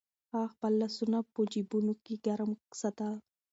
هغه خپل لاسونه په جېبونو کې ګرم ساتل.